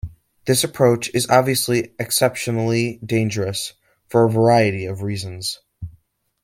This approach is obviously exceptionally dangerous for a variety of reasons.